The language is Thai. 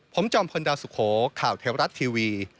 ผมจอมพลดาวสุโขข่าวเทวรัฐทีวี